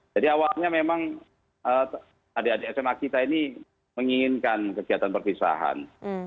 jadi awalnya memang adik adik sma kita ini menginginkan kegiatan perpisahan